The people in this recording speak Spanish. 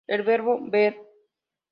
El verbo "ver".